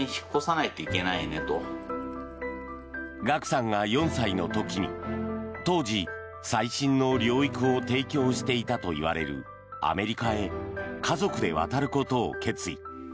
ＧＡＫＵさんが４歳の時に当時、最新の療育を提供していたといわれるアメリカへ家族で渡ることを決意。